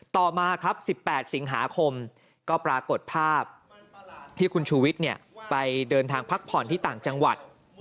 ต่อมาครับ๑๘สิงหาคมก็ปรากฏภาพที่คุณชูวิทย์ไปเดินทางพักผ่อนที่ต่างจังหวัด